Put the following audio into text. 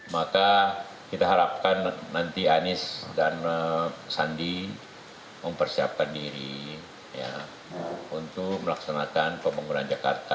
maka kita harapkan nanti anies dan sandi mempersiapkan diri untuk melaksanakan pembangunan jakarta